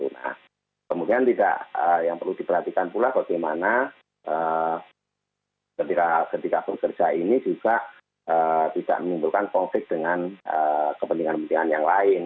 nah kemudian tidak yang perlu diperhatikan pula bagaimana ketika bekerja ini juga tidak menimbulkan konflik dengan kepentingan kepentingan yang lain